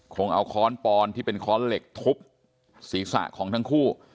คงเอาค้อนปอนที่เป็นค้อนเหล็กทุบศีรษะของทั้งคู่